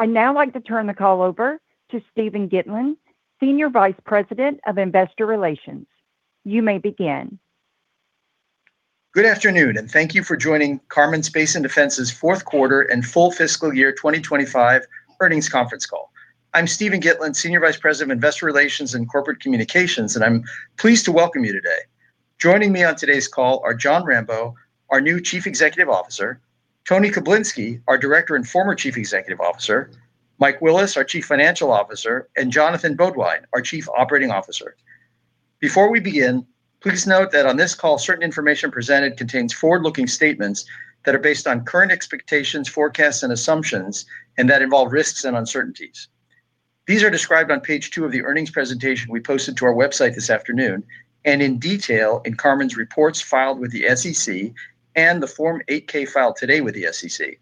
I'd now like to turn the call over to Steven Gitlin, Senior Vice President of Investor Relations. You may begin. Good afternoon, and thank you for joining Karman Space & Defense's fourth quarter and full fiscal year 2025 earnings conference call. I'm Steven Gitlin, Senior Vice President of Investor Relations and Corporate Communications, and I'm pleased to welcome you today. Joining me on today's call are Jon Rambeau, our new Chief Executive Officer, Tony Koblinski, our Director and former Chief Executive Officer, Mike Willis, our Chief Financial Officer, and Jonathan Beaudoin, our Chief Operating Officer. Before we begin, please note that on this call, certain information presented contains forward-looking statements that are based on current expectations, forecasts, and assumptions and that involve risks and uncertainties. These are described on page 2 of the earnings presentation we posted to our website this afternoon and in detail in Karman's reports filed with the SEC and the Form 8-K filed today with the SEC.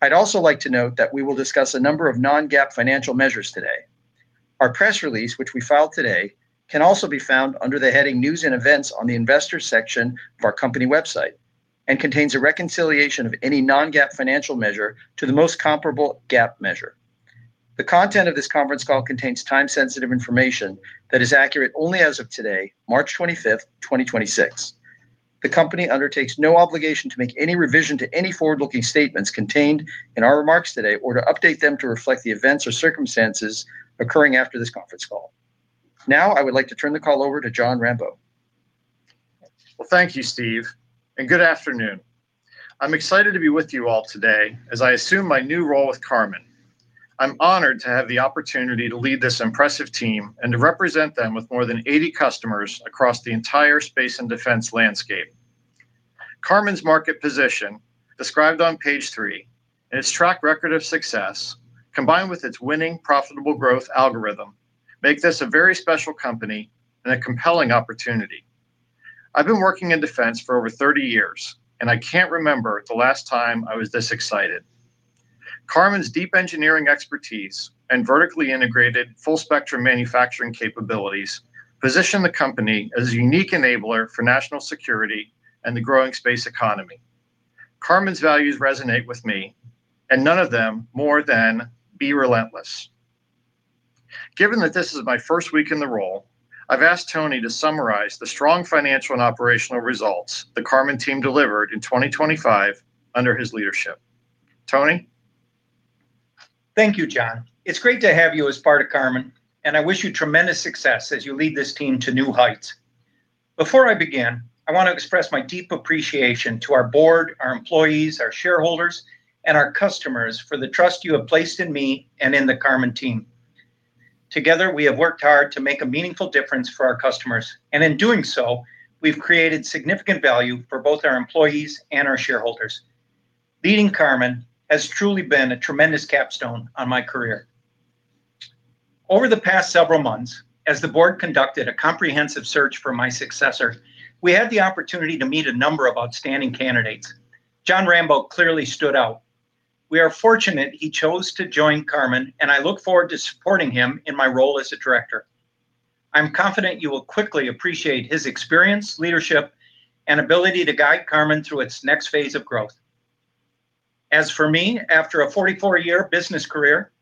I'd also like to note that we will discuss a number of non-GAAP financial measures today. Our press release, which we filed today, can also be found under the heading News & Events on the Investors section of our company website and contains a reconciliation of any non-GAAP financial measure to the most comparable GAAP measure. The content of this conference call contains time-sensitive information that is accurate only as of today, March 25th, 2026. The company undertakes no obligation to make any revision to any forward-looking statements contained in our remarks today or to update them to reflect the events or circumstances occurring after this conference call. Now I would like to turn the call over to Jon Rambeau. Well, thank you, Steve, and good afternoon. I'm excited to be with you all today as I assume my new role with Karman. I'm honored to have the opportunity to lead this impressive team and to represent them with more than 80 customers across the entire space and defense landscape. Karman's market position, described on page 3, and its track record of success, combined with its winning profitable growth algorithm, make this a very special company and a compelling opportunity. I've been working in defense for over 30 years, and I can't remember the last time I was this excited. Karman's deep engineering expertise and vertically integrated full-spectrum manufacturing capabilities position the company as a unique enabler for national security and the growing space economy. Karman's values resonate with me, and none of them more than be relentless. Given that this is my first week in the role, I've asked Tony to summarize the strong financial and operational results the Karman team delivered in 2025 under his leadership. Tony? Thank you, Jon. It's great to have you as part of Karman, and I wish you tremendous success as you lead this team to new heights. Before I begin, I want to express my deep appreciation to our board, our employees, our shareholders, and our customers for the trust you have placed in me and in the Karman team. Together, we have worked hard to make a meaningful difference for our customers, and in doing so, we've created significant value for both our employees and our shareholders. Leading Karman has truly been a tremendous capstone on my career. Over the past several months, as the board conducted a comprehensive search for my successor, we had the opportunity to meet a number of outstanding candidates. Jon Rambeau clearly stood out. We are fortunate he chose to join Karman, and I look forward to supporting him in my role as a director. I'm confident you will quickly appreciate his experience, leadership, and ability to guide Karman through its next phase of growth. As for me, after a 44-year business career,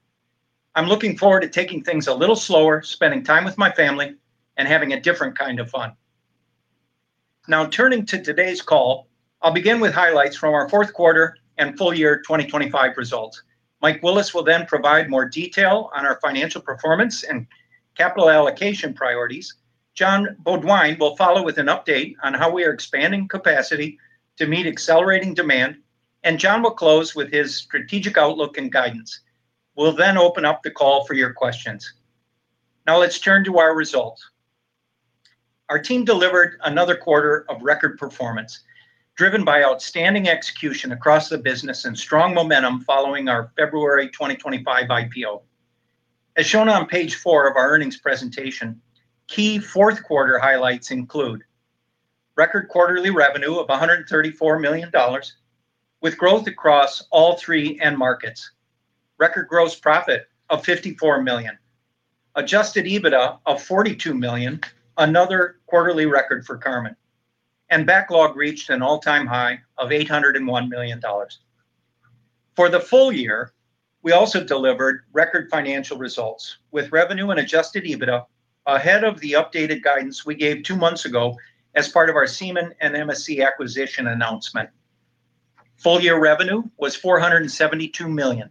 I'm looking forward to taking things a little slower, spending time with my family, and having a different kind of fun. Now, turning to today's call, I'll begin with highlights from our fourth quarter and full year 2025 results. Mike Willis will then provide more detail on our financial performance and capital allocation priorities. Jonathan Beaudoin will follow with an update on how we are expanding capacity to meet accelerating demand, and Jon will close with his strategic outlook and guidance. We'll then open up the call for your questions. Now let's turn to our results. Our team delivered another quarter of record performance, driven by outstanding execution across the business and strong momentum following our February 2025 IPO. As shown on page 4 of our earnings presentation, key fourth quarter highlights include record quarterly revenue of $134 million with growth across all three end markets, record gross profit of $54 million, adjusted EBITDA of $42 million, another quarterly record for Karman, and backlog reached an all-time high of $801 million. For the full year, we also delivered record financial results with revenue and adjusted EBITDA ahead of the updated guidance we gave two months ago as part of our Seemann and MSC acquisition announcement. Full-year revenue was $472 million,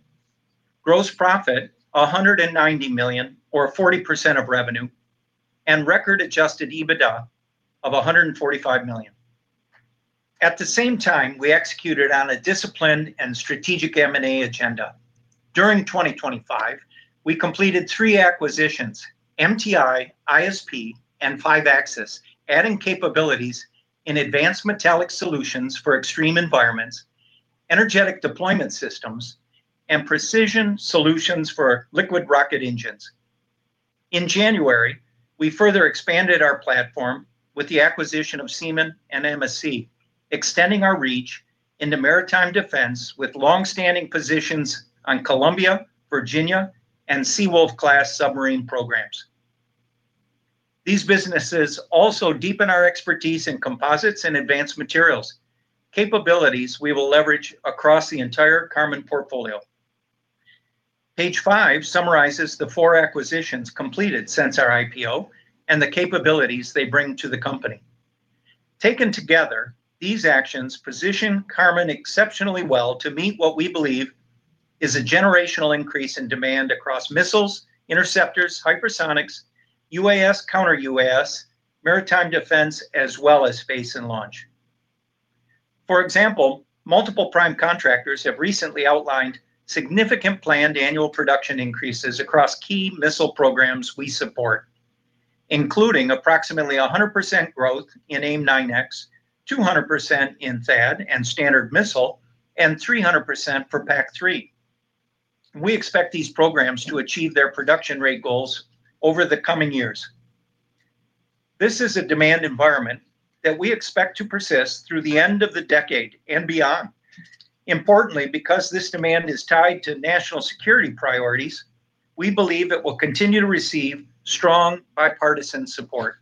gross profit $190 million or 40% of revenue, and record adjusted EBITDA of $145 million. At the same time, we executed on a disciplined and strategic M&A agenda. During 2025, we completed three acquisitions, MTI, ISP, and Five Axis, adding capabilities in advanced metallic solutions for extreme environments, energetic deployment systems, and precision solutions for liquid rocket engines. In January, we further expanded our platform with the acquisition of Seemann and MSC, extending our reach into maritime defense with long-standing positions on Columbia, Virginia, and Seawolf-class submarine programs. These businesses also deepen our expertise in composites and advanced materials, capabilities we will leverage across the entire Karman portfolio. Page 5 summarizes the four acquisitions completed since our IPO and the capabilities they bring to the company. Taken together, these actions position Karman exceptionally well to meet what we believe is a generational increase in demand across missiles, interceptors, hypersonics, UAS, counter-UAS, maritime defense, as well as space and launch. For example, multiple prime contractors have recently outlined significant planned annual production increases across key missile programs we support, including approximately 100% growth in AIM-9X, 200% in THAAD and Standard Missile, and 300% for PAC-3. We expect these programs to achieve their production rate goals over the coming years. This is a demand environment that we expect to persist through the end of the decade and beyond. Importantly, because this demand is tied to national security priorities, we believe it will continue to receive strong bipartisan support.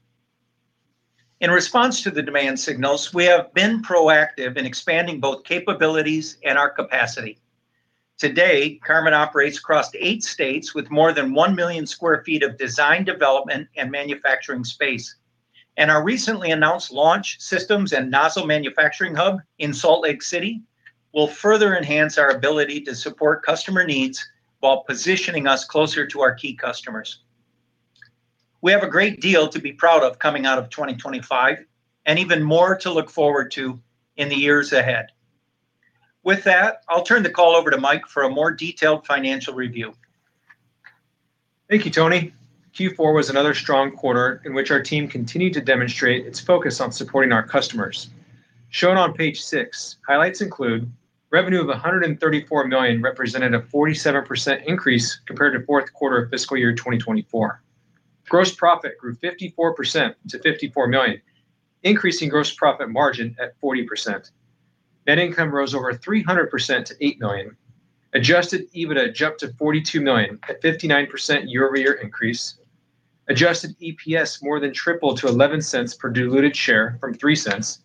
In response to the demand signals, we have been proactive in expanding both capabilities and our capacity. Today, Karman operates across eight states with more than 1 million sq ft of design development and manufacturing space. Our recently announced launch systems and nozzle manufacturing hub in Salt Lake City will further enhance our ability to support customer needs while positioning us closer to our key customers. We have a great deal to be proud of coming out of 2025 and even more to look forward to in the years ahead. With that, I'll turn the call over to Mike for a more detailed financial review. Thank you, Tony. Q4 was another strong quarter in which our team continued to demonstrate its focus on supporting our customers. Shown on page 6, highlights include revenue of $134 million, represented a 47% increase compared to fourth quarter of fiscal year 2024. Gross profit grew 54% to $54 million, increasing gross profit margin at 40%. Net income rose over 300% to $8 million. Adjusted EBITDA jumped to $42 million at 59% year-over-year increase. Adjusted EPS more than tripled to $0.11 per diluted share from $0.03.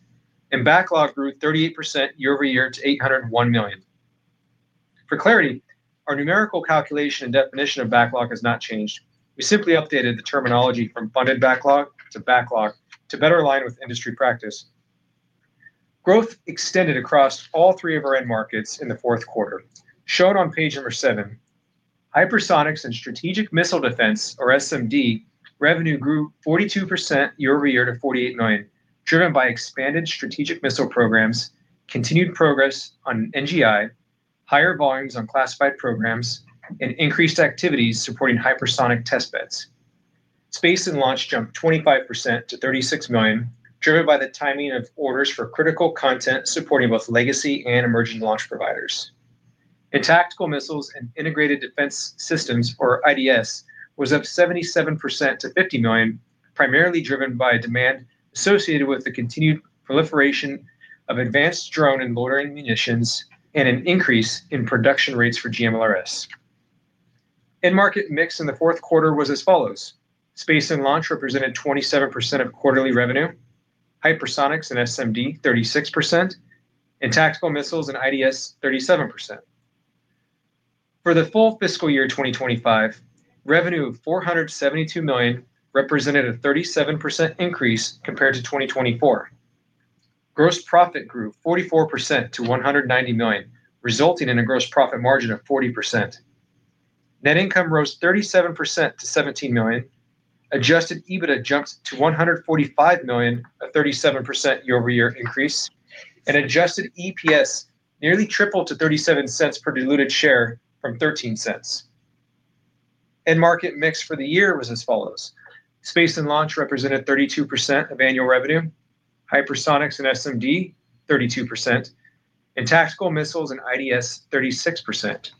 Backlog grew 38% year-over-year to $801 million. For clarity, our numerical calculation and definition of backlog has not changed. We simply updated the terminology from funded backlog to backlog to better align with industry practice. Growth extended across all three of our end markets in the fourth quarter. Shown on page 7, hypersonics and strategic missile defense, or SMD, revenue grew 42% year-over-year to $48 million, driven by expanded strategic missile programs, continued progress on NGI, higher volumes on classified programs, and increased activities supporting hypersonic testbeds. Space and launch jumped 25% to $36 million, driven by the timing of orders for critical content supporting both legacy and emerging launch providers. Tactical missiles and integrated defense systems, or IDS, was up 77% to $50 million, primarily driven by demand associated with the continued proliferation of advanced drone and loitering munitions and an increase in production rates for GMLRS. End market mix in the fourth quarter was as follows. Space and launch represented 27% of quarterly revenue, hypersonics and SMD 36%, and tactical missiles and IDS 37%. For the full fiscal year 2025, revenue of $472 million represented a 37% increase compared to 2024. Gross profit grew 44% to $190 million, resulting in a gross profit margin of 40%. Net income rose 37% to $17 million. Adjusted EBITDA jumped to $145 million, a 37% year-over-year increase. Adjusted EPS nearly tripled to $0.37 per diluted share from $0.13. End market mix for the year was as follows. Space and launch represented 32% of annual revenue, hypersonics and SMD 32%, and tactical missiles and IDS 36%.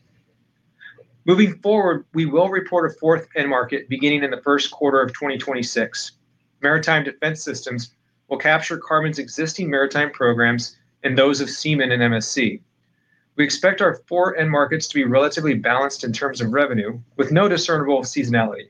Moving forward, we will report a fourth end market beginning in the first quarter of 2026. Maritime Defense Systems will capture Karman's existing maritime programs and those of Seemann and MSC. We expect our four end markets to be relatively balanced in terms of revenue with no discernible seasonality.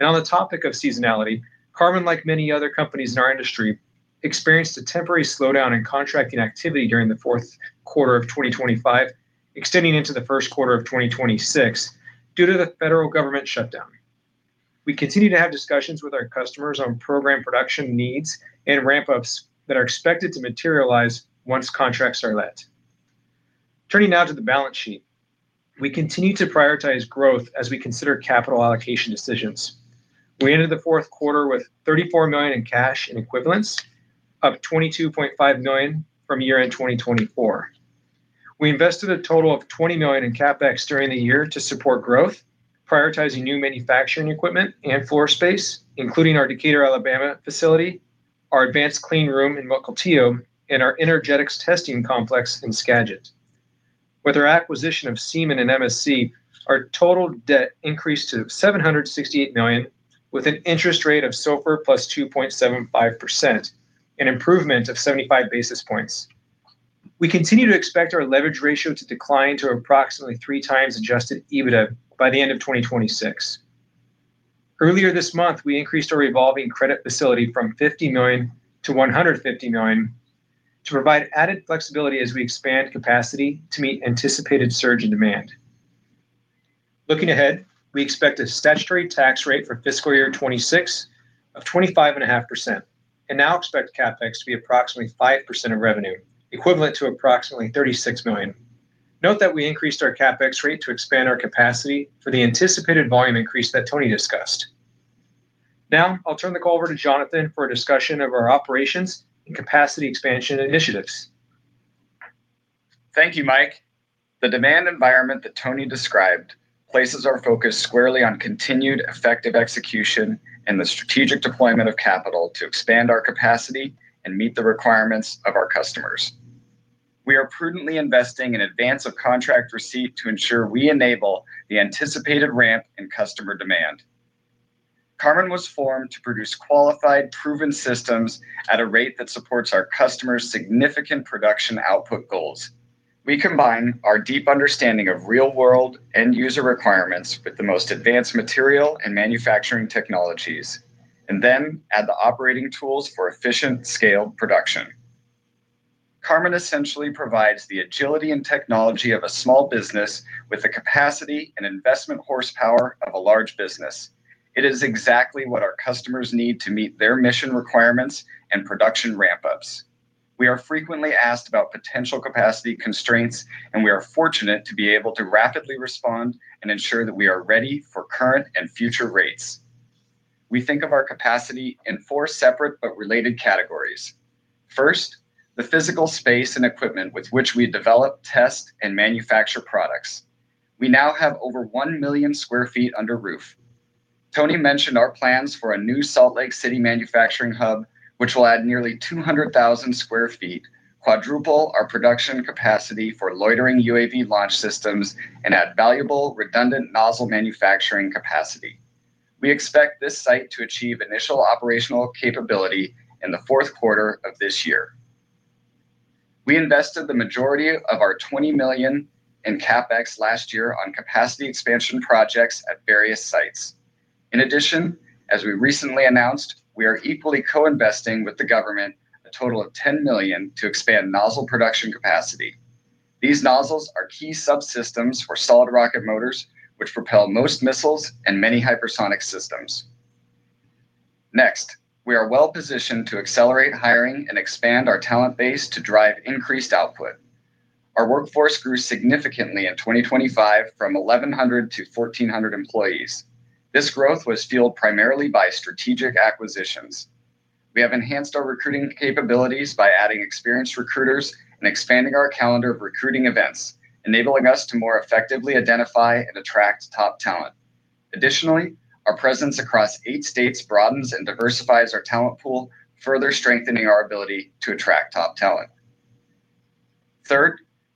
On the topic of seasonality, Karman, like many other companies in our industry, experienced a temporary slowdown in contracting activity during the fourth quarter of 2025, extending into the first quarter of 2026 due to the federal government shutdown. We continue to have discussions with our customers on program production needs and ramp-ups that are expected to materialize once contracts are let. Turning now to the balance sheet, we continue to prioritize growth as we consider capital allocation decisions. We ended the fourth quarter with $34 million in cash and equivalents, up $22.5 million from year-end 2024. We invested a total of $20 million in CapEx during the year to support growth, prioritizing new manufacturing equipment and floor space, including our Decatur, Alabama facility, our advanced clean room in Mukilteo, and our energetics testing complex in Skagit. With our acquisition of Seemann Composites, our total debt increased to $768 million with an interest rate of SOFR plus 2.75%, an improvement of 75 basis points. We continue to expect our leverage ratio to decline to approximately three times adjusted EBITDA by the end of 2026. Earlier this month, we increased our revolving credit facility from $50 million-$150 million to provide added flexibility as we expand capacity to meet anticipated surge in demand. Looking ahead, we expect a statutory tax rate for fiscal year 2026 of 25.5%, and now expect CapEx to be approximately 5% of revenue, equivalent to approximately $36 million. Note that we increased our CapEx rate to expand our capacity for the anticipated volume increase that Tony discussed. Now, I'll turn the call over to Jonathan for a discussion of our operations and capacity expansion initiatives. Thank you, Mike. The demand environment that Tony described places our focus squarely on continued effective execution and the strategic deployment of capital to expand our capacity and meet the requirements of our customers. We are prudently investing in advance of contract receipt to ensure we enable the anticipated ramp in customer demand. Karman was formed to produce qualified, proven systems at a rate that supports our customers' significant production output goals. We combine our deep understanding of real-world end-user requirements with the most advanced material and manufacturing technologies, and then add the operating tools for efficient, scaled production. Karman essentially provides the agility and technology of a small business with the capacity and investment horsepower of a large business. It is exactly what our customers need to meet their mission requirements and production ramp-ups. We are frequently asked about potential capacity constraints, and we are fortunate to be able to rapidly respond and ensure that we are ready for current and future rates. We think of our capacity in four separate but related categories. First, the physical space and equipment with which we develop, test, and manufacture products. We now have over 1 million sq ft under roof. Tony mentioned our plans for a new Salt Lake City manufacturing hub, which will add nearly 200,000 sq ft, quadruple our production capacity for loitering UAV launch systems, and add valuable, redundant nozzle manufacturing capacity. We expect this site to achieve initial operational capability in the fourth quarter of this year. We invested the majority of our $20 million in CapEx last year on capacity expansion projects at various sites. In addition, as we recently announced, we are equally co-investing with the government a total of $10 million to expand nozzle production capacity. These nozzles are key subsystems for solid rocket motors, which propel most missiles and many hypersonic systems. Next, we are well-positioned to accelerate hiring and expand our talent base to drive increased output. Our workforce grew significantly in 2025 from 1,100-1,400 employees. This growth was fueled primarily by strategic acquisitions. We have enhanced our recruiting capabilities by adding experienced recruiters and expanding our calendar of recruiting events, enabling us to more effectively identify and attract top talent. Additionally, our presence across eight states broadens and diversifies our talent pool, further strengthening our ability to attract top talent.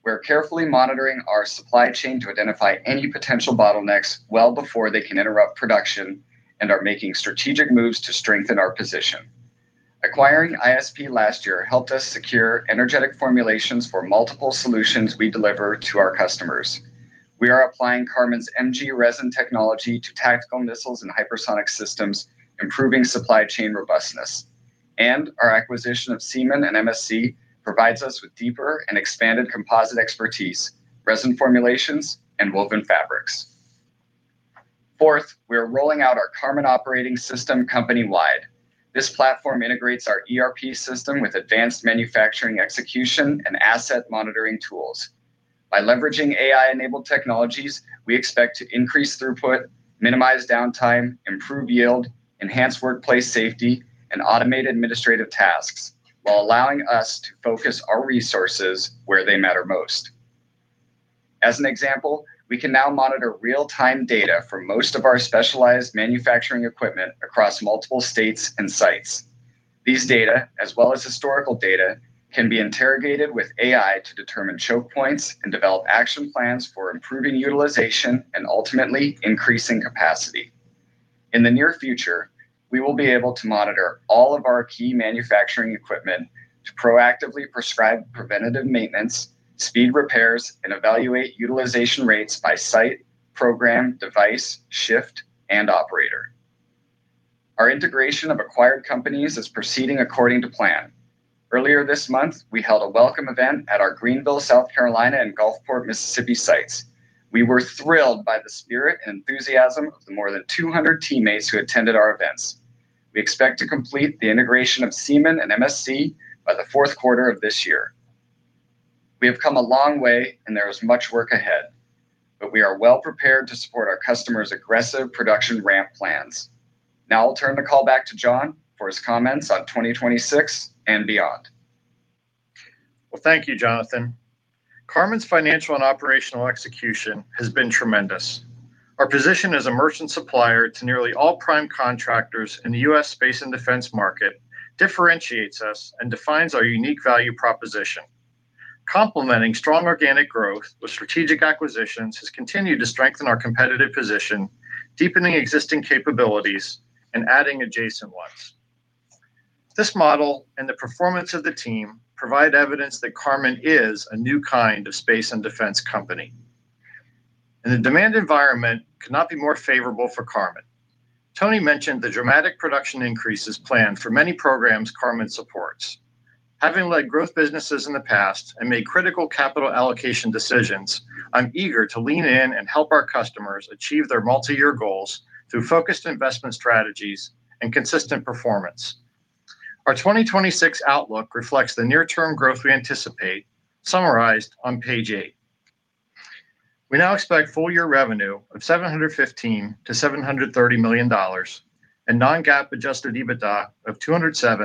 Third, we're carefully monitoring our supply chain to identify any potential bottlenecks well before they can interrupt production and are making strategic moves to strengthen our position. Acquiring ISP last year helped us secure energetic formulations for multiple solutions we deliver to our customers. We are applying Karman's MG Resin technology to tactical missiles and hypersonic systems, improving supply chain robustness. Our acquisition of Seemann and MSC provides us with deeper and expanded composite expertise, resin formulations, and woven fabrics. Fourth, we are rolling out our Karman Operating System company-wide. This platform integrates our ERP system with advanced manufacturing execution and asset monitoring tools. By leveraging AI-enabled technologies, we expect to increase throughput, minimize downtime, improve yield, enhance workplace safety, and automate administrative tasks while allowing us to focus our resources where they matter most. As an example, we can now monitor real-time data for most of our specialized manufacturing equipment across multiple states and sites. These data, as well as historical data, can be interrogated with AI to determine choke points and develop action plans for improving utilization and ultimately increasing capacity. In the near future, we will be able to monitor all of our key manufacturing equipment to proactively prescribe preventative maintenance, speed repairs, and evaluate utilization rates by site, program, device, shift, and operator. Our integration of acquired companies is proceeding according to plan. Earlier this month, we held a welcome event at our Greenville, South Carolina, and Gulfport, Mississippi sites. We were thrilled by the spirit and enthusiasm of the more than 200 teammates who attended our events. We expect to complete the integration of Seemann and MSC by the fourth quarter of this year. We have come a long way, and there is much work ahead, but we are well-prepared to support our customers' aggressive production ramp plans. Now I'll turn the call back to Jon for his comments on 2026 and beyond. Well, thank you, Jonathan. Karman's financial and operational execution has been tremendous. Our position as a merchant supplier to nearly all prime contractors in the U.S. space and defense market differentiates us and defines our unique value proposition. Complementing strong organic growth with strategic acquisitions has continued to strengthen our competitive position, deepening existing capabilities and adding adjacent ones. This model and the performance of the team provide evidence that Karman is a new kind of space and defense company. The demand environment could not be more favorable for Karman. Tony mentioned the dramatic production increases planned for many programs Karman supports. Having led growth businesses in the past and made critical capital allocation decisions, I'm eager to lean in and help our customers achieve their multi-year goals through focused investment strategies and consistent performance. Our 2026 outlook reflects the near-term growth we anticipate, summarized on page 8. We now expect full-year revenue of $715 million-$730 million and non-GAAP adjusted EBITDA of $207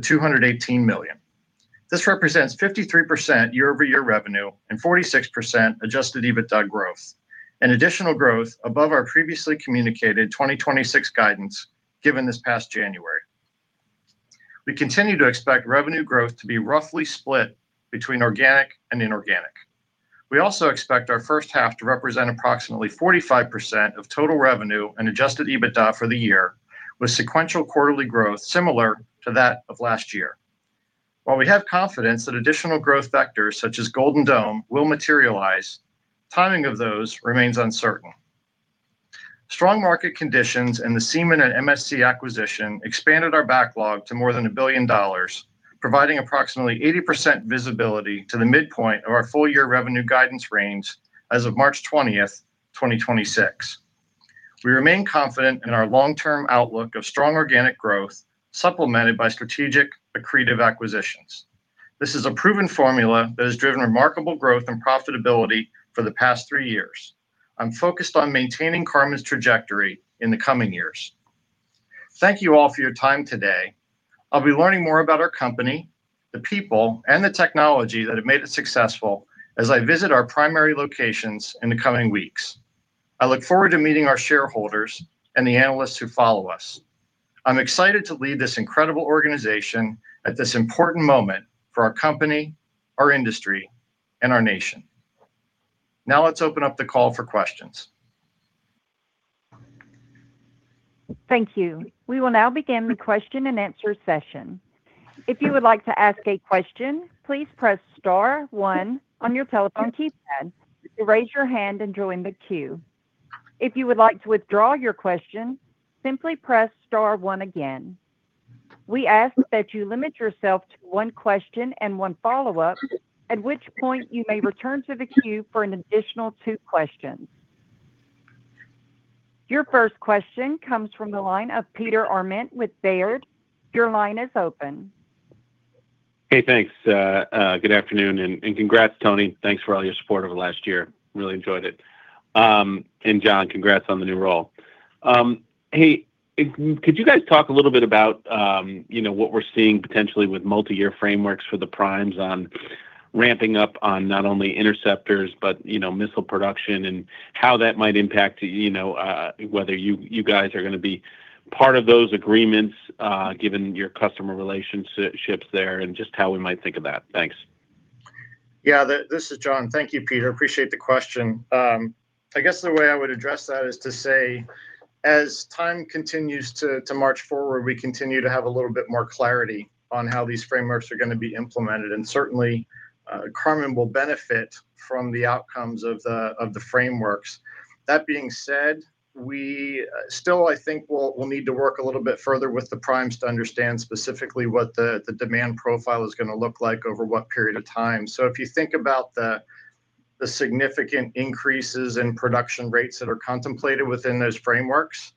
million-$218 million. This represents 53% year-over-year revenue and 46% adjusted EBITDA growth, an additional growth above our previously communicated 2026 guidance given this past January. We continue to expect revenue growth to be roughly split between organic and inorganic. We also expect our first half to represent approximately 45% of total revenue and adjusted EBITDA for the year, with sequential quarterly growth similar to that of last year. While we have confidence that additional growth vectors such as Golden Dome will materialize, timing of those remains uncertain. Strong market conditions and the Seemann and MSC acquisition expanded our backlog to more than $1 billion, providing approximately 80% visibility to the midpoint of our full-year revenue guidance range as of March 20th, 2026. We remain confident in our long-term outlook of strong organic growth supplemented by strategic accretive acquisitions. This is a proven formula that has driven remarkable growth and profitability for the past three years. I'm focused on maintaining Karman's trajectory in the coming years. Thank you all for your time today. I'll be learning more about our company, the people, and the technology that have made it successful as I visit our primary locations in the coming weeks. I look forward to meeting our shareholders and the analysts who follow us. I'm excited to lead this incredible organization at this important moment for our company, our industry, and our nation. Now let's open up the call for questions. Thank you. We will now begin the question-and-answer session. If you would like to ask a question, please press star one on your telephone keypad to raise your hand and join the queue. If you would like to withdraw your question, simply press star one again. We ask that you limit yourself to one question and one follow-up, at which point you may return to the queue for an additional two questions. Your first question comes from the line of Peter Arment with Baird. Your line is open. Hey, thanks. Good afternoon, and congrats, Tony. Thanks for all your support over the last year. Really enjoyed it. And Jon, congrats on the new role. Hey, could you guys talk a little bit about, you know, what we're seeing potentially with multiyear frameworks for the primes on ramping up on not only interceptors, but, you know, missile production and how that might impact, you know, whether you guys are going to be part of those agreements, given your customer relationships there and just how we might think of that. Thanks. This is Jon. Thank you, Peter. Appreciate the question. I guess the way I would address that is to say, as time continues to march forward, we continue to have a little bit more clarity on how these frameworks are going to be implemented. Certainly, Karman will benefit from the outcomes of the frameworks. That being said, we still, I think, will need to work a little bit further with the primes to understand specifically what the demand profile is going to look like over what period of time. If you think about the significant increases in production rates that are contemplated within those frameworks,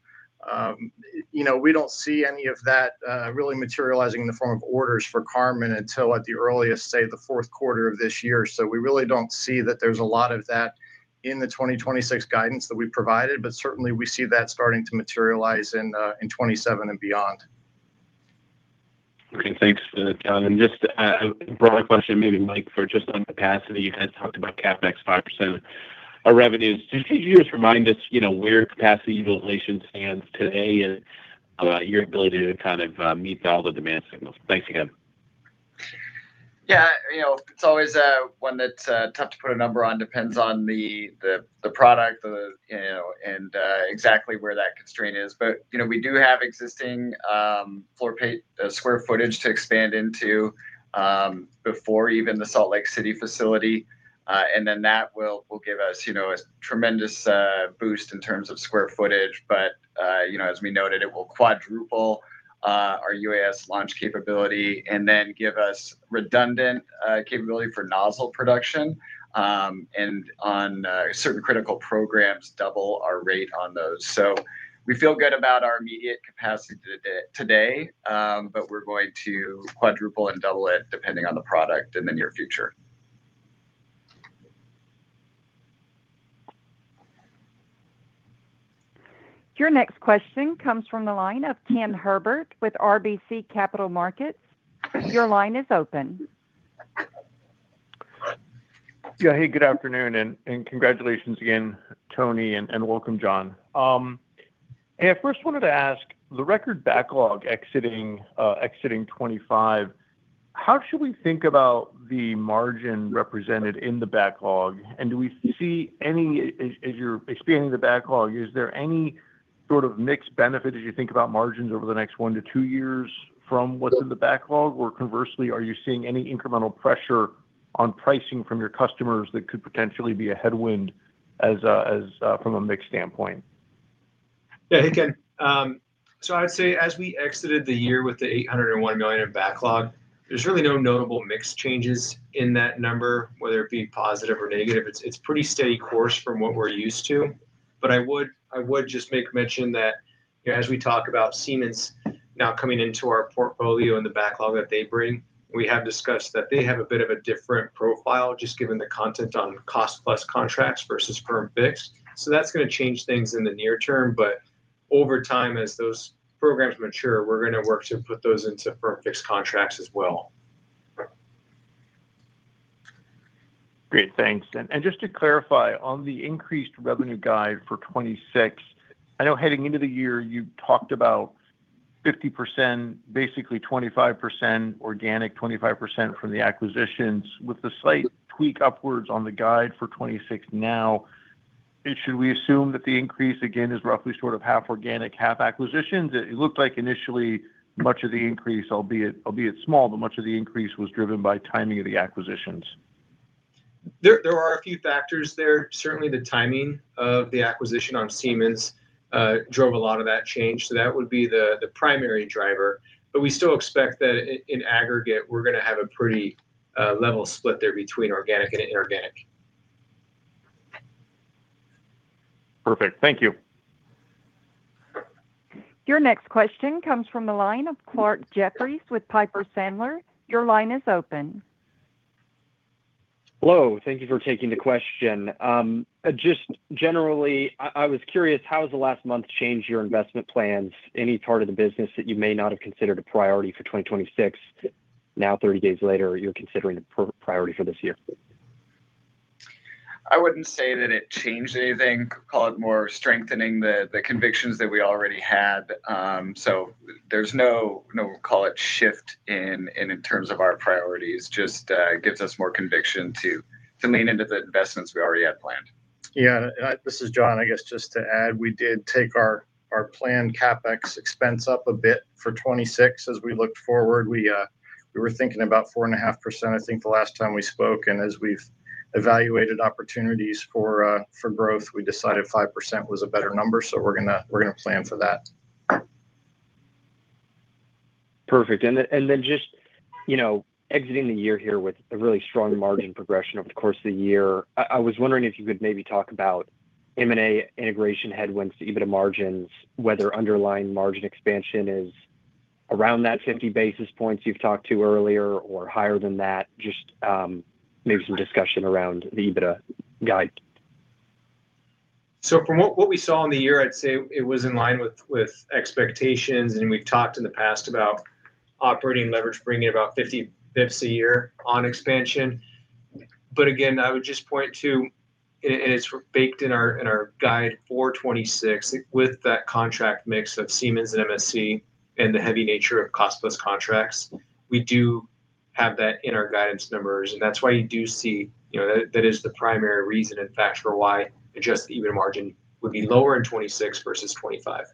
you know, we don't see any of that really materializing in the form of orders for Karman until at the earliest, say, the fourth quarter of this year. We really don't see that there's a lot of that in the 2026 guidance that we provided, but certainly we see that starting to materialize in 2027 and beyond. Okay. Thanks, Jon. Just a broader question maybe, Mike, for just on capacity. You had talked about CapEx 5% of revenues. Could you just remind us, you know, where capacity utilization stands today and your ability to kind of meet all the demand signals? Thanks again. Yeah. You know, it's always one that's tough to put a number on. Depends on the product, you know, and exactly where that constraint is. You know, we do have existing square footage to expand into before even the Salt Lake City facility. And then that will give us, you know, a tremendous boost in terms of square footage. You know, as we noted, it will quadruple our UAS launch capability and then give us redundant capability for nozzle production and on certain critical programs, double our rate on those. We feel good about our immediate capacity today, but we're going to quadruple and double it, depending on the product, in the near future. Your next question comes from the line of Ken Herbert with RBC Capital Markets. Your line is open. Hey, good afternoon, and congratulations again, Tony, and welcome, Jon. Hey, I first wanted to ask, the record backlog exiting 2025. How should we think about the margin represented in the backlog? Do we see any as you're expanding the backlog, is there any sort of mixed benefit as you think about margins over the next 1-2 years from what's in the backlog? Or conversely, are you seeing any incremental pressure on pricing from your customers that could potentially be a headwind from a mixed standpoint? Yeah. Hey, Ken. I'd say as we exited the year with the $801 million of backlog, there's really no notable mix changes in that number, whether it be positive or negative. It's pretty steady course from what we're used to. I would just make mention that, you know, as we talk about Seemann now coming into our portfolio and the backlog that they bring, we have discussed that they have a bit of a different profile, just given the content on cost-plus contracts versus firm-fixed. That's gonna change things in the near term. Over time, as those programs mature, we're gonna work to put those into firm-fixed contracts as well. Great. Thanks. Just to clarify, on the increased revenue guide for 2026, I know heading into the year you talked about 50%, basically 25% organic, 25% from the acquisitions. With the slight tweak upwards on the guide for 2026 now, should we assume that the increase again is roughly sort of half organic, half acquisitions? It looked like initially much of the increase, albeit small, but much of the increase was driven by timing of the acquisitions. There are a few factors there. Certainly the timing of the acquisition of Seemann drove a lot of that change. That would be the primary driver. We still expect that in aggregate, we're gonna have a pretty level split there between organic and inorganic. Perfect, thank you. Your next question comes from the line of Clarke Jeffries with Piper Sandler. Your line is open. Hello. Thank you for taking the question. Just generally, I was curious how has the last month changed your investment plans? Any part of the business that you may not have considered a priority for 2026 now 30 days later you're considering a priority for this year? I wouldn't say that it changed anything. Call it more strengthening the convictions that we already had. There's no call it shift in terms of our priorities. Just gives us more conviction to lean into the investments we already had planned. Yeah. This is Jon. I guess just to add, we did take our planned CapEx expense up a bit for 2026 as we looked forward. We were thinking about 4.5%, I think the last time we spoke, and as we've evaluated opportunities for growth, we decided 5% was a better number. We're gonna plan for that. Perfect. Just, you know, exiting the year here with a really strong margin progression over the course of the year, I was wondering if you could maybe talk about M&A integration headwinds to EBITDA margins, whether underlying margin expansion is around that 50 basis points you've talked to earlier or higher than that. Just maybe some discussion around the EBITDA guide? From what we saw in the year, I'd say it was in line with expectations, and we've talked in the past about operating leverage bringing about 50 basis points a year on expansion. Again, I would just point to, and it's baked in our guide for 2026, with that contract mix of Seemann and MSC and the heavy nature of cost-plus contracts, we do have that in our guidance numbers. That's why you do see, you know, that is the primary reason, in fact, for why adjusted EBITDA margin would be lower in 2026 versus 2025.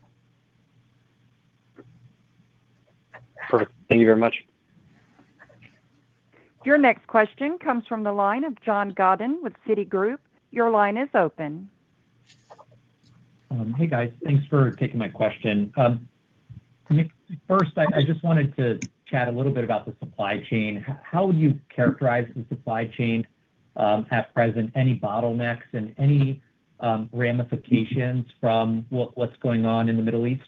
Perfect. Thank you very much. Your next question comes from the line of John Godyn with Citigroup. Your line is open. Hey, guys. Thanks for taking my question. First, I just wanted to chat a little bit about the supply chain. How would you characterize the supply chain at present? Any bottlenecks and any ramifications from what's going on in the Middle East?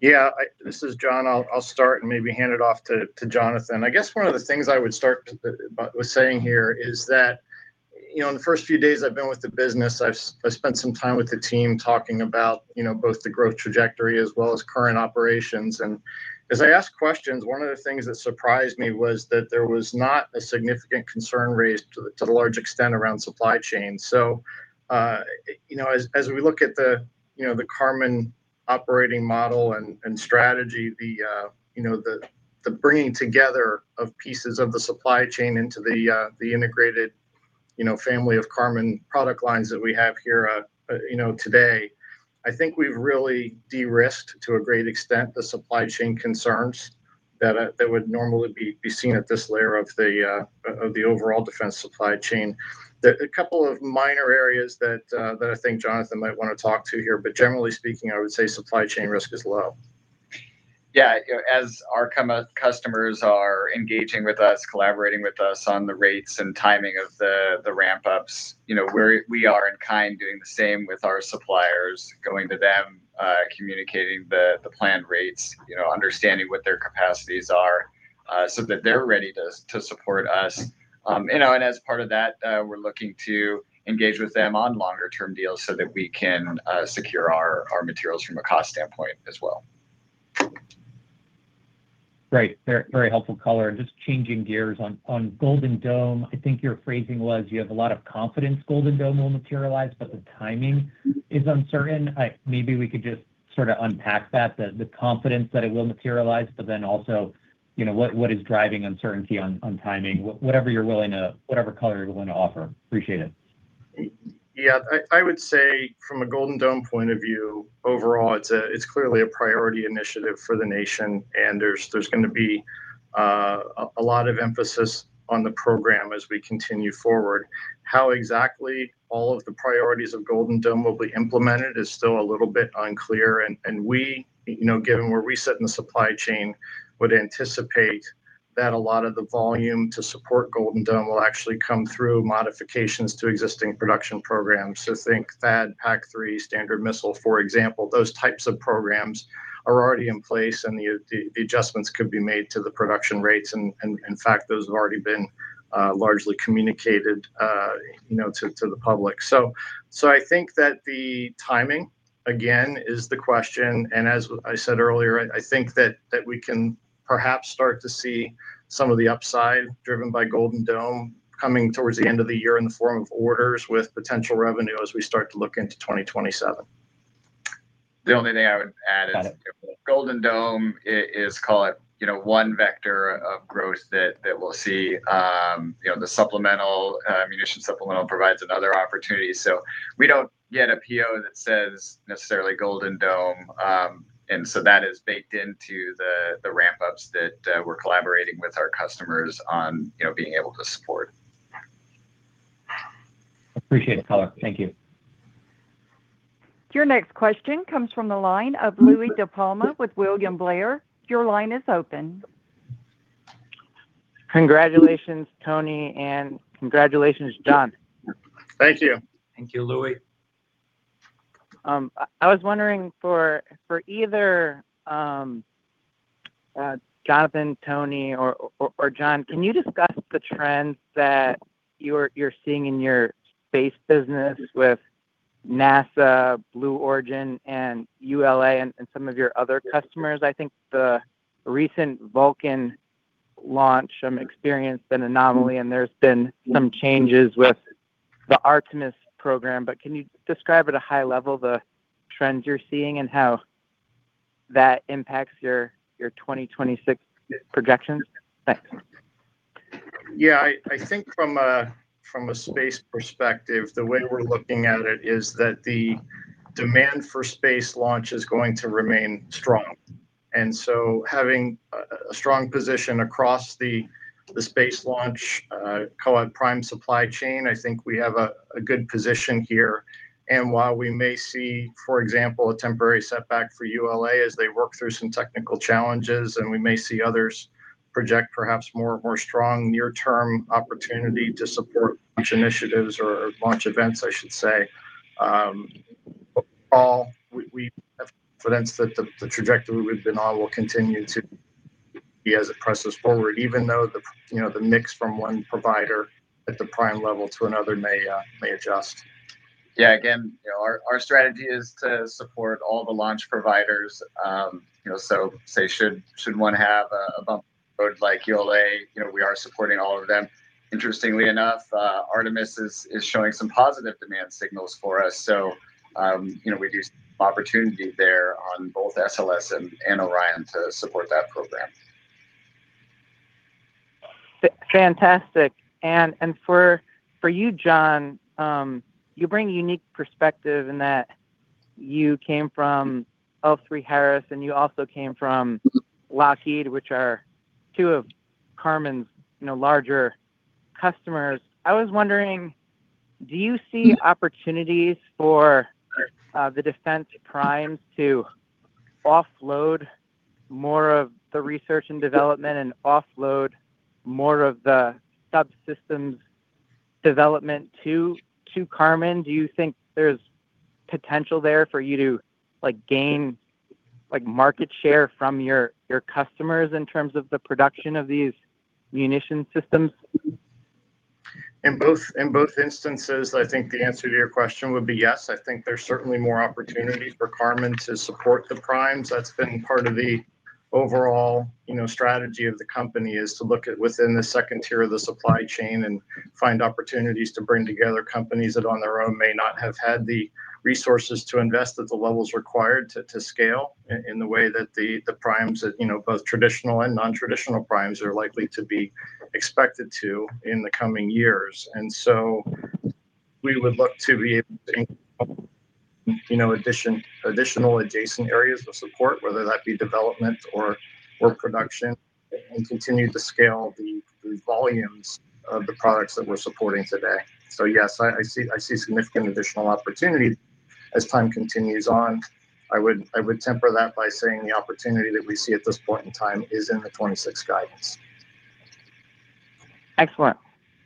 Yeah. This is Jon. I'll start and maybe hand it off to Jonathan. I guess one of the things I would start by saying here is that, you know, in the first few days I've been with the business, I've spent some time with the team talking about, you know, both the growth trajectory as well as current operations. As I asked questions, one of the things that surprised me was that there was not a significant concern raised to a large extent around supply chain. You know, as we look at the Karman operating model and strategy, the bringing together of pieces of the supply chain into the integrated you know family of Karman product lines that we have here you know today, I think we've really de-risked to a great extent the supply chain concerns that would normally be seen at this layer of the overall defense supply chain. There are a couple of minor areas that I think Jonathan might wanna talk to here, but generally speaking, I would say supply chain risk is low. Yeah. You know, as our customers are engaging with us, collaborating with us on the rates and timing of the ramp-ups, you know, we are in kind doing the same with our suppliers, going to them, communicating the planned rates, you know, understanding what their capacities are, so that they're ready to support us. You know, as part of that, we're looking to engage with them on longer term deals so that we can secure our materials from a cost standpoint as well. Great. Very, very helpful color. Just changing gears, on Golden Dome, I think your phrasing was you have a lot of confidence Golden Dome will materialize, but the timing is uncertain. I maybe we could just Sort of unpack that, the confidence that it will materialize, but then also, you know, what is driving uncertainty on timing? Whatever color you're willing to offer. Appreciate it. Yeah. I would say from a Golden Dome point of view, overall, it's clearly a priority initiative for the nation, and there's gonna be a lot of emphasis on the program as we continue forward. How exactly all of the priorities of Golden Dome will be implemented is still a little bit unclear. We you know, given where we sit in the supply chain, would anticipate that a lot of the volume to support Golden Dome will actually come through modifications to existing production programs. Think THAAD, PAC-3, Standard Missile, for example. Those types of programs are already in place, and the adjustments could be made to the production rates. In fact, those have already been largely communicated you know, to the public. I think that the timing, again, is the question. As I said earlier, I think that we can perhaps start to see some of the upside driven by Golden Dome coming towards the end of the year in the form of orders with potential revenue as we start to look into 2027. Got it. The only thing I would add, Golden Dome is, call it, you know, one vector of growth that we'll see. You know, the supplemental munitions supplemental provides another opportunity. We don't get a PO that says necessarily Golden Dome, and that is baked into the ramp-ups that we're collaborating with our customers on, you know, being able to support. Appreciate the color. Thank you. Your next question comes from the line of Louie DiPalma with William Blair. Your line is open. Congratulations, Tony, and congratulations, Jon. Thank you. Thank you, Louie. I was wondering for either Jonathan, Tony, or Jon, can you discuss the trends that you're seeing in your space business with NASA, Blue Origin, and ULA and some of your other customers? I think the recent Vulcan launch experienced an anomaly, and there's been some changes with the Artemis program. Can you describe at a high level the trends you're seeing and how that impacts your 2026 projections? Thanks. Yeah. I think from a space perspective, the way we're looking at it is that the demand for space launch is going to remain strong. Having a strong position across the space launch, call it prime supply chain, I think we have a good position here. While we may see, for example, a temporary setback for ULA as they work through some technical challenges, and we may see others project perhaps more strong near-term opportunity to support launch initiatives or launch events, I should say. We have confidence that the trajectory we've been on will continue to be as it presses forward, even though you know the mix from one provider at the prime level to another may adjust. Yeah. Again, you know, our strategy is to support all the launch providers. You know, say, should one have a bump in the road like ULA, you know, we are supporting all of them. Interestingly enough, Artemis is showing some positive demand signals for us. You know, we do see opportunity there on both SLS and Orion to support that program. Fantastic. For you, Jon, you bring a unique perspective in that you came from L3Harris, and you also came from Lockheed, which are two of Karman's larger customers. I was wondering, do you see opportunities for the defense primes to offload more of the research and development and offload more of the subsystems development to Karman? Do you think there's potential there for you to, like, gain, like, market share from your customers in terms of the production of these munitions systems? In both instances, I think the answer to your question would be yes. I think there's certainly more opportunity for Karman to support the primes. That's been part of the overall, you know, strategy of the company is to look at within the second tier of the supply chain and find opportunities to bring together companies that on their own may not have had the resources to invest at the levels required to scale in the way that the primes, you know, both traditional and non-traditional primes are likely to be expected to in the coming years. We would look to be able to, you know, additional adjacent areas of support, whether that be development or production, and continue to scale the volumes of the products that we're supporting today. Yes, I see significant additional opportunity as time continues on. I would temper that by saying the opportunity that we see at this point in time is in the 2026 guidance. Excellent.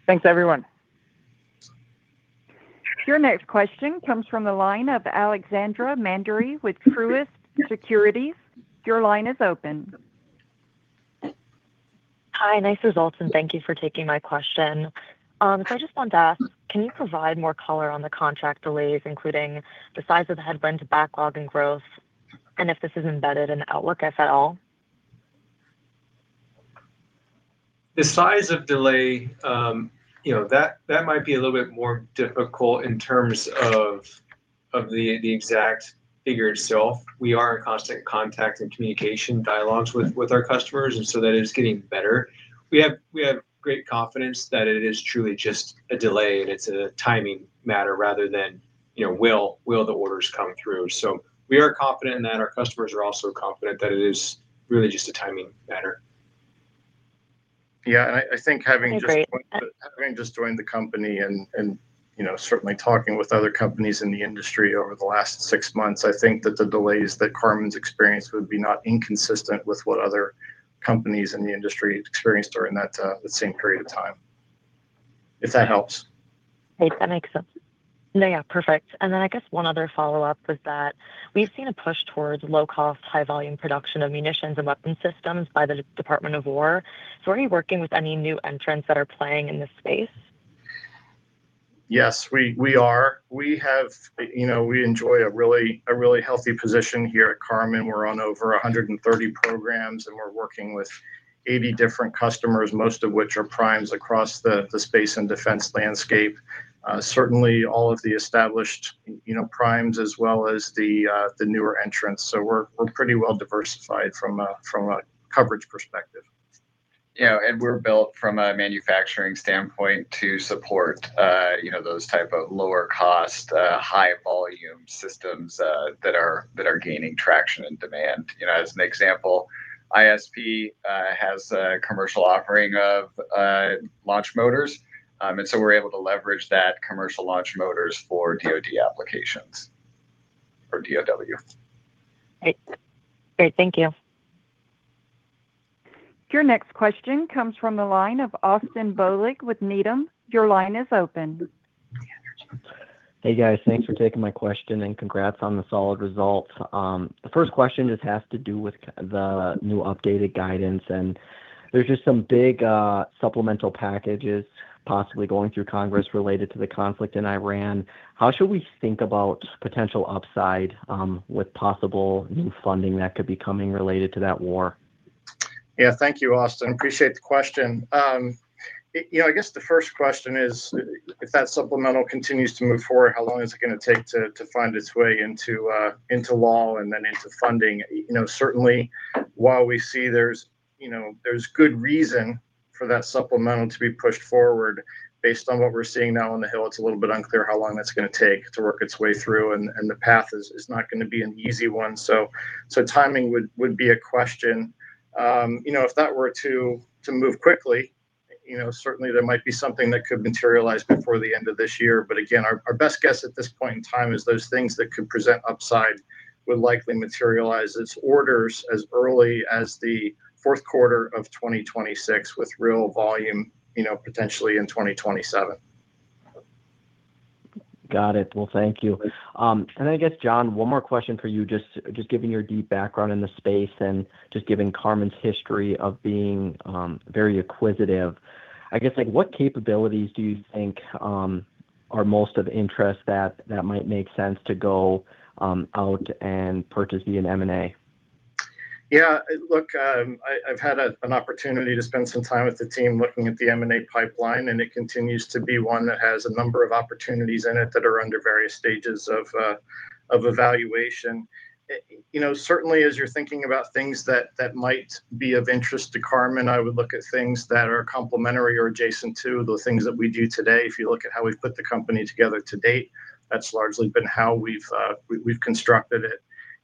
Thanks, everyone. Your next question comes from the line of Alexandra Mandery with Truist Securities. Your line is open. Hi, nice results, and thank you for taking my question. I just wanted to ask, can you provide more color on the contract delays, including the size of the headwinds, backlog, and growth, and if this is embedded in outlook if at all? The size of delay, you know, that might be a little bit more difficult in terms of the exact figure itself. We are in constant contact and communication dialogues with our customers, that is getting better. We have great confidence that it is truly just a delay and it's a timing matter rather than, you know, will the orders come through. We are confident and that our customers are also confident that it is really just a timing matter. Agree. Yeah. I think having just joined the company and, you know, certainly talking with other companies in the industry over the last six months, I think that the delays that Karman's experienced would be not inconsistent with what other companies in the industry experienced during that, the same period of time. If that helps. Great. That makes sense. No, yeah. Perfect. I guess one other follow-up was that we've seen a push towards low cost, high volume production of munitions and weapons systems by the Department of War. Are you working with any new entrants that are playing in this space? Yes, we are. You know, we enjoy a really healthy position here at Karman. We're on over 130 programs, and we're working with 80 different customers, most of which are primes across the space and defense landscape. Certainly all of the established, you know, primes as well as the newer entrants. We're pretty well diversified from a coverage perspective. You know, we're built from a manufacturing standpoint to support, you know, those type of lower cost, high volume systems that are gaining traction and demand. You know, as an example, ISP has a commercial offering of launch motors. We're able to leverage that commercial launch motors for DoD applications, or DoW. Great. Thank you. Your next question comes from the line of Austin Bohlig with Needham. Your line is open. Hey, guys. Thanks for taking my question, and congrats on the solid results. The first question just has to do with the new updated guidance, and there's just some big supplemental packages possibly going through Congress related to the conflict in Ukraine. How should we think about potential upside with possible new funding that could be coming related to that war? Yeah. Thank you, Austin. Appreciate the question. You know, I guess the first question is if that supplemental continues to move forward, how long is it gonna take to find its way into law and then into funding? You know, certainly while we see there's good reason for that supplemental to be pushed forward. Based on what we're seeing now on the Hill, it's a little bit unclear how long that's gonna take to work its way through. The path is not gonna be an easy one. Timing would be a question. You know, if that were to move quickly, you know, certainly there might be something that could materialize before the end of this year. But again, our best guess at this point in time is those things that could present upside would likely materialize as orders as early as the fourth quarter of 2026 with real volume, you know, potentially in 2027. Got it. Well, thank you. I guess, Jon, one more question for you. Just given your deep background in the space and just given Karman's history of being very acquisitive, I guess, like, what capabilities do you think are most of interest that might make sense to go out and purchase via M&A? Yeah. Look, I've had an opportunity to spend some time with the team looking at the M&A pipeline, and it continues to be one that has a number of opportunities in it that are under various stages of evaluation. You know, certainly as you're thinking about things that might be of interest to Karman, I would look at things that are complementary or adjacent to the things that we do today. If you look at how we've put the company together to date, that's largely been how we've constructed it.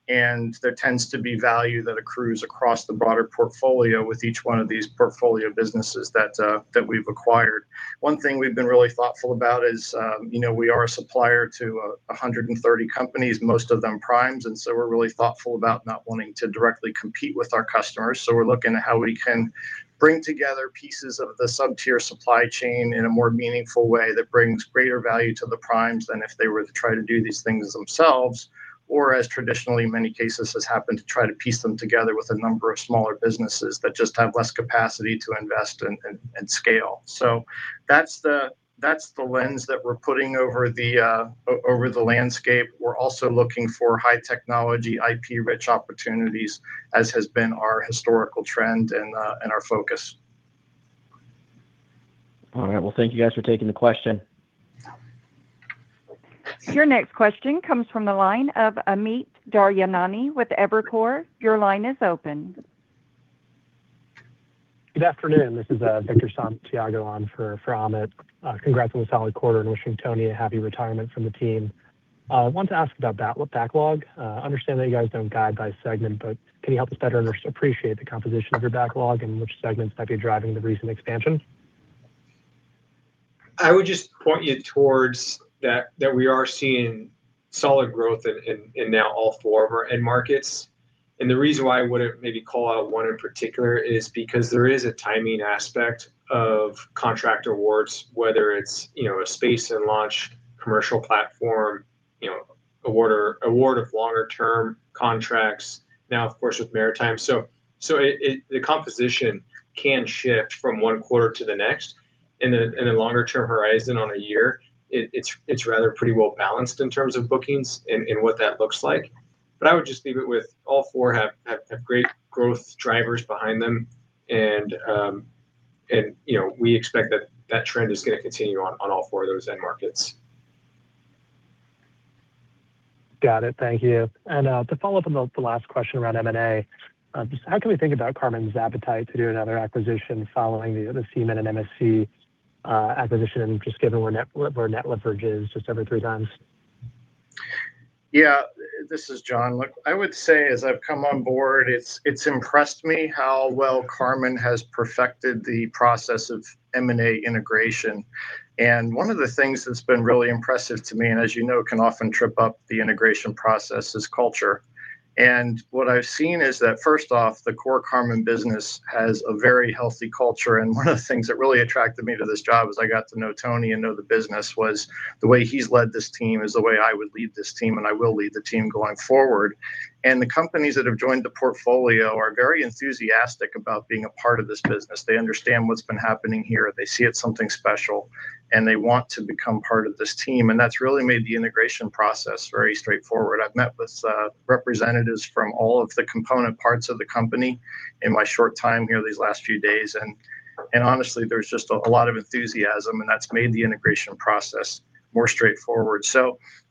There tends to be value that accrues across the broader portfolio with each one of these portfolio businesses that we've acquired. One thing we've been really thoughtful about is, you know, we are a supplier to 130 companies, most of them primes, and so we're really thoughtful about not wanting to directly compete with our customers. We're looking at how we can bring together pieces of the sub-tier supply chain in a more meaningful way that brings greater value to the primes than if they were to try to do these things themselves, or as traditionally in many cases has happened, to try to piece them together with a number of smaller businesses that just have less capacity to invest and scale. That's the lens that we're putting over the landscape. We're also looking for high technology, IP-rich opportunities, as has been our historical trend and our focus. All right. Well, thank you guys for taking the question. Your next question comes from the line of Amit Daryanani with Evercore. Your line is open. Good afternoon. This is Victor Santiago on for Amit. Congrats on the solid quarter and wishing Tony a happy retirement from the team. Wanted to ask about backlog. Understand that you guys don't guide by segment, but can you help us better understand the composition of your backlog and which segments might be driving the recent expansion? I would just point you towards that we are seeing solid growth in now all four of our end markets. The reason why I wouldn't maybe call out one in particular is because there is a timing aspect of contract awards, whether it's, you know, a space and launch commercial platform, you know, award or award of longer term contracts now, of course, with maritime. It the composition can shift from one quarter to the next. In a longer term horizon on a year, it's rather pretty well balanced in terms of bookings and what that looks like. I would just leave it with all four have great growth drivers behind them. You know, we expect that trend is gonna continue on all four of those end markets. Got it. Thank you. To follow up on the last question around M&A, just how can we think about Karman's appetite to do another acquisition following the Seemann and MSC acquisition, just given where net leverage is just over 3 times? Yeah. This is Jon. Look, I would say as I've come on board, it's impressed me how well Karman has perfected the process of M&A integration. One of the things that's been really impressive to me, and as you know can often trip up the integration process, is culture. What I've seen is that, first off, the core Karman business has a very healthy culture. One of the things that really attracted me to this job as I got to know Tony and know the business, was the way he's led this team is the way I would lead this team, and I will lead the team going forward. The companies that have joined the portfolio are very enthusiastic about being a part of this business. They understand what's been happening here. They see it's something special, and they want to become part of this team. That's really made the integration process very straightforward. I've met with representatives from all of the component parts of the company in my short time here these last few days, and honestly, there's just a lot of enthusiasm, and that's made the integration process more straightforward.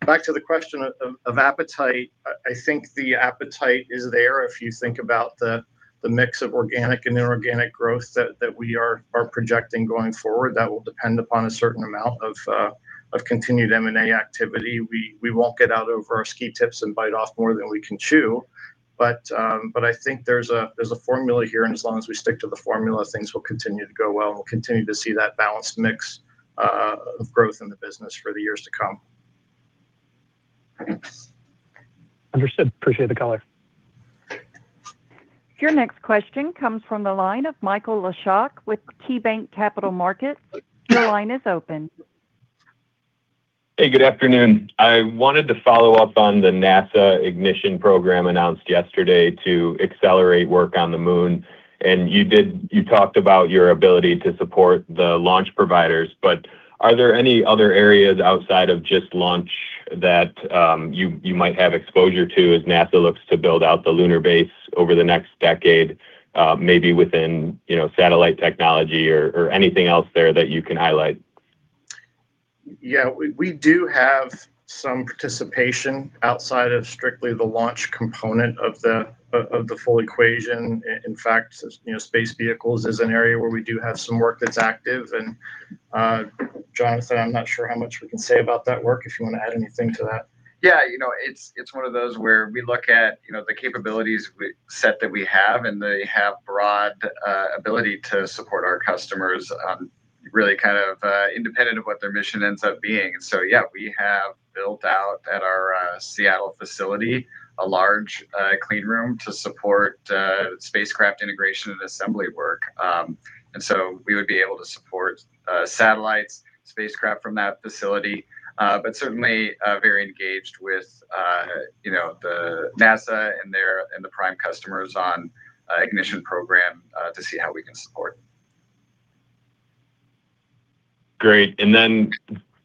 Back to the question of appetite. I think the appetite is there if you think about the mix of organic and inorganic growth that we are projecting going forward. That will depend upon a certain amount of continued M&A activity. We won't get out over our ski tips and bite off more than we can chew. I think there's a formula here, and as long as we stick to the formula, things will continue to go well. We'll continue to see that balanced mix of growth in the business for the years to come. Understood. Appreciate the color. Your next question comes from the line of Michael Leshock with KeyBanc Capital Markets. Your line is open. Hey, good afternoon. I wanted to follow up on the NASA Ignition program announced yesterday to accelerate work on the Moon. You talked about your ability to support the launch providers. Are there any other areas outside of just launch that you might have exposure to as NASA looks to build out the lunar base over the next decade, maybe within, you know, satellite technology or anything else there that you can highlight? Yeah. We do have some participation outside of strictly the launch component of the full equation. In fact, you know, space vehicles is an area where we do have some work that's active. Jonathan, I'm not sure how much we can say about that work, if you wanna add anything to that. Yeah. You know, it's one of those where we look at, you know, the capabilities we said that we have, and they have broad ability to support our customers, really kind of independent of what their mission ends up being. Yeah, we have built out at our Seattle facility, a large clean room to support spacecraft integration and assembly work. We would be able to support satellites, spacecraft from that facility. Certainly very engaged with, you know, NASA and their prime customers on Ignition program, to see how we can support. Great. Then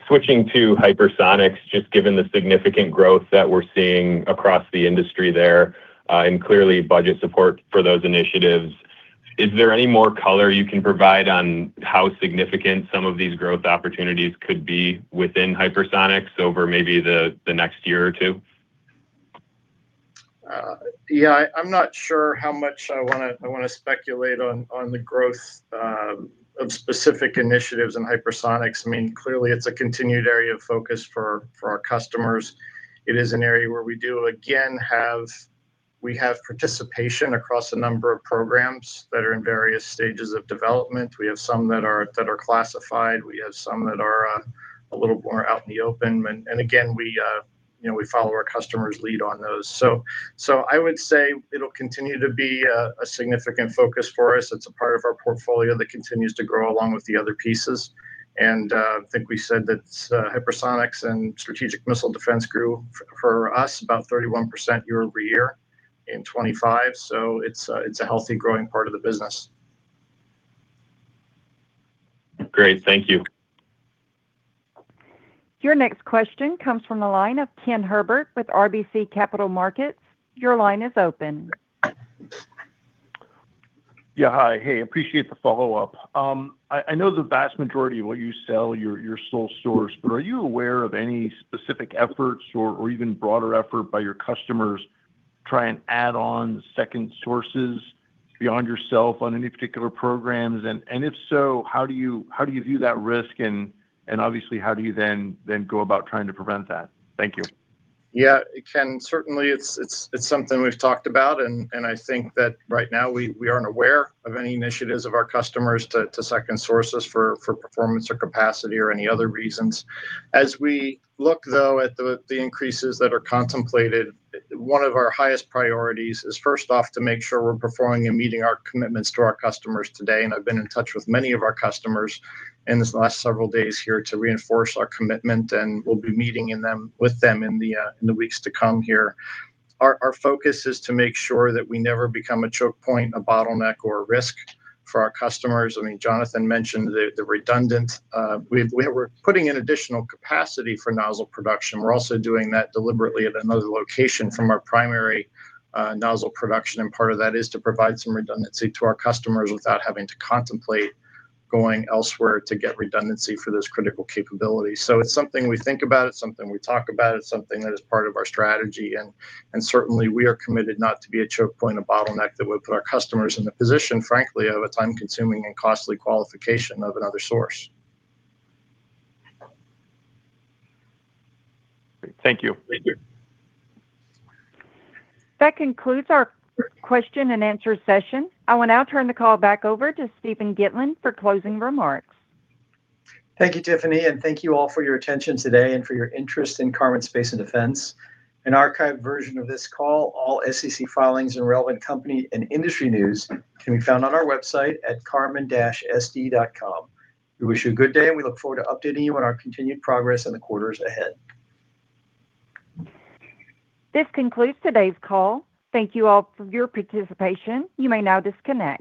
switching to hypersonics, just given the significant growth that we're seeing across the industry there, and clearly budget support for those initiatives, is there any more color you can provide on how significant some of these growth opportunities could be within hypersonics over maybe the next year or two? Yeah. I'm not sure how much I wanna speculate on the growth of specific initiatives in hypersonics. I mean, clearly it's a continued area of focus for our customers. It is an area where we have participation across a number of programs that are in various stages of development. We have some that are classified, we have some that are a little more out in the open. Again, you know, we follow our customers' lead on those. I would say it'll continue to be a significant focus for us. It's a part of our portfolio that continues to grow along with the other pieces. I think we said that hypersonics and strategic missile defense grew for us about 31% year-over-year in 2025. So, it's a healthy growing part of the business. Great. Thank you. Your next question comes from the line of Ken Herbert with RBC Capital Markets. Your line is open. Hi. I appreciate the follow-up. I know the vast majority of what you sell, you're sole source, but are you aware of any specific efforts or even broader effort by your customers try and add on second sources beyond yourself on any particular programs? And if so, how do you view that risk? And obviously, how do you then go about trying to prevent that? Thank you. Yeah. It can certainly, it's something we've talked about. I think that right now we aren't aware of any initiatives of our customers to second source us for performance or capacity or any other reasons. As we look through at the increases that are contemplated, one of our highest priorities is, first off, to make sure we're performing and meeting our commitments to our customers today. I've been in touch with many of our customers in these last several days here to reinforce our commitment, and we'll be meeting with them in the weeks to come here. Our focus is to make sure that we never become a choke point, a bottleneck, or a risk for our customers. I mean, Jonathan mentioned the redundant. We're putting in additional capacity for nozzle production. We're also doing that deliberately at another location from our primary nozzle production, and part of that is to provide some redundancy to our customers without having to contemplate going elsewhere to get redundancy for those critical capabilities. It's something we think about. It's something we talk about. It's something that is part of our strategy. Certainly, we are committed not to be a choke point, a bottleneck that would put our customers in the position, frankly, of a time-consuming and costly qualification of another source. Great, thank you. That concludes our question-and-answer session. I will now turn the call back over to Steven Gitlin for closing remarks. Thank you, Tiffany. Thank you all for your attention today and for your interest in Karman Space & Defense. An archived version of this call, all SEC filings and relevant company and industry news can be found on our website at karman-sd.com. We wish you a good day, and we look forward to updating you on our continued progress in the quarters ahead. This concludes today's call. Thank you all for your participation. You may now disconnect.